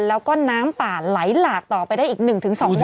แล้วก็น้ำป่าไหลหลากต่อไปได้อีก๑๒วัน